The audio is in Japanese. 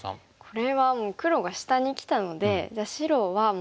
これはもう黒が下にきたのでじゃあ白はもう中央作戦で。